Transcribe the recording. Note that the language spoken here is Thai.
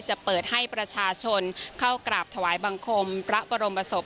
จะเปิดให้ประชาชนเข้ากราบถวายบังคมพระบรมศพ